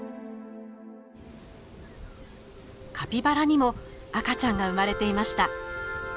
カピバラにも赤ちゃんが生まれていました。